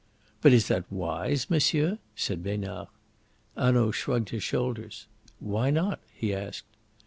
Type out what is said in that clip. "But is that wise, monsieur?" said Besnard. Hanaud shrugged his shoulders. "Why not?" he asked.